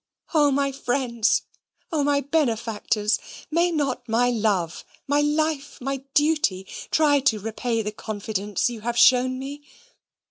O my friends! O my benefactors! may not my love, my life, my duty, try to repay the confidence you have shown me?